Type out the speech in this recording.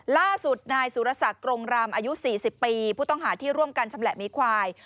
ล่าสุดนายสุรสักกรงรามอายุ๔๐ปีผู้ต้องหาที่ร่วมกันชำแหละหมีควาย